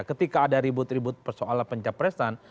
ketika ada ribut ribut persoalan pencapresan